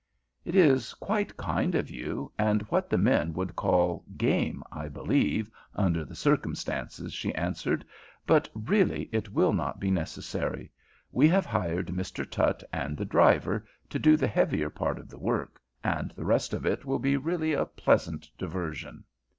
"It is quite kind of you, and what the men would call ''game,' I believe, under the circumstances," she answered, "but really it will not be necessary. We have hired Mr. Tutt and the driver to do the heavier part of the work, and the rest of it will be really a pleasant diversion."